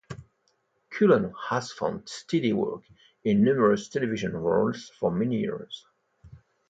Cullen has found steady work in numerous television roles for many years.